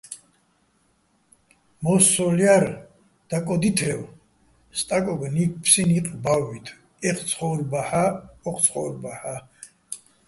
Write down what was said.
მო́სოლ ჲარ დაკოდითრევ სტაკოგო̆ ნიფსიჼ ნიყ ბა́ვბითო̆ ეჴ ცხო́ვრბაჰ̦ა-ე́ ოჴ ცხო́ვრბაჰ̦ა́.